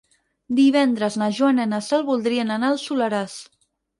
Dimarts na Joana i na Sol voldrien anar al Soleràs.